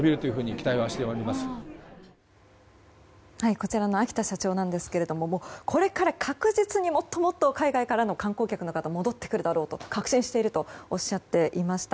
こちらの秋田社長なんですがこれから確実にもっともっと海外からの観光客の方が戻ってくるだろうと確信しているとおっしゃっていました。